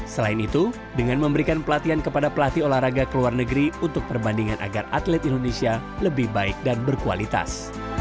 selain itu dengan memberikan pelatihan kepada pelatih olahraga ke luar negeri untuk perbandingan agar atlet indonesia lebih baik dan berkualitas